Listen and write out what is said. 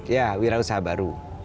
ya wira usaha baru